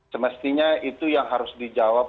semestinya itu yang harus dijawab